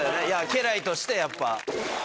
いや家来としてやっぱ。